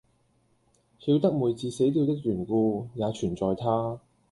曉得妹子死掉的緣故，也全在他。